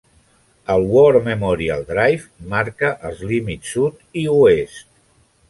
El War Memorial Drive marca els límits sud i oest.